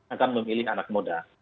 akan memilih anak muda